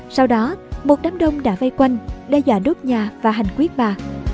sau đó một đám đông đã vây quanh đe dọa đốt nhà và hành quyết bà